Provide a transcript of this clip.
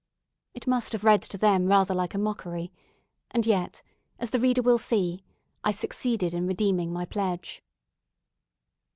It must have read to them rather like a mockery, and yet, as the reader will see, I succeeded in redeeming my pledge.